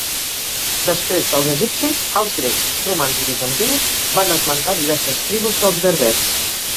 Després dels egipcis, els grecs, romans i bizantins van esmentar diverses tribus dels berbers.